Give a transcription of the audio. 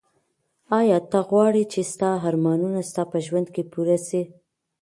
ایا ته غواړې چي ستا ارمانونه ستا په ژوند کي پوره سي؟